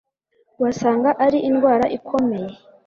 wasanga ari indwara ikomeye